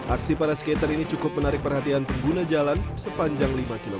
aksi para skater ini cukup menarik perhatian pengguna jalan sepanjang lima km